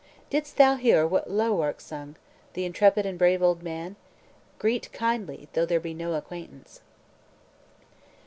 "Didst thou hear what Llywarch sung, The intrepid and brave old man? Greet kindly, though there be no acquaintance."